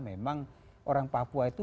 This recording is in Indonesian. memang orang papua itu